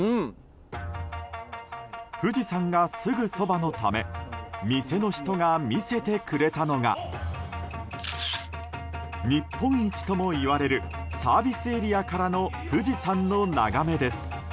富士山がすぐそばのため店の人が見せてくれたのが日本一ともいわれるサービスエリアからの富士山の眺めです。